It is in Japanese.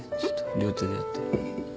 両手でやって。